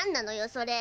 それ。